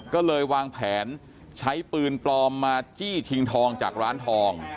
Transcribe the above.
ก็เลยวางแผนใช้ปืนปลอมมาจี้ชิงทองจากร้านทอง